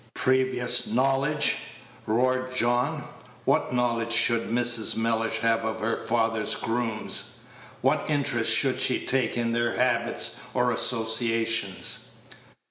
"Previous knowledge!" roared John. "What knowledge should Mrs. Mellish have of her father's grooms? What interest should she take in their habits or associations?"